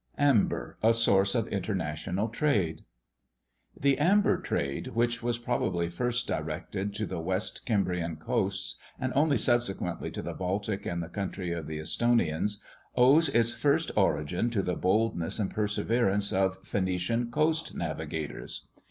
AMBER, A SOURCE OF INTERNATIONAL TRADE. The amber trade, which was probably first directed to the west Cimbrian coasts, and only subsequently to the Baltic and the country of the Esthonians, owes its first origin to the boldness and perseverance of Phoenician coast navigators.